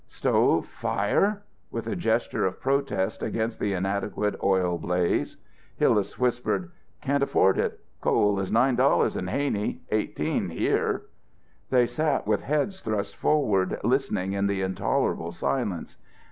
"Stove fire?" with a gesture of protest against the inadequate oil blaze. Hillas whispered, "Can't afford it. Coal is $9.00 in Haney, $18.00 here." They sat with heads thrust forward, listening in the intolerable silence.